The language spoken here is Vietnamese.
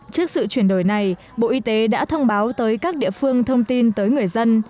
trước sự chuyển đổi này bộ y tế đã thông báo tới các địa phương thông tin tới người dân